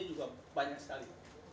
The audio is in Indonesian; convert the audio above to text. juga banyak sekali